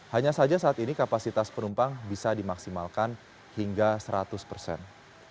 hanya saja saat ini kapasitas penumpang bisa dimaksimalkan hingga seratus persen